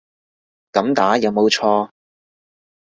噉打有冇錯